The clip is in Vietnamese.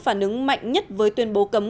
phản ứng mạnh nhất với tuyên bố cấm